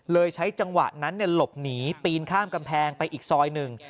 ใช้จังหวะนั้นหลบหนีปีนข้ามกำแพงไปอีกซอยหนึ่ง